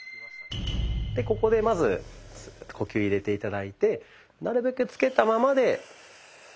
でここでまず呼吸を入れて頂いてなるべくつけたままで。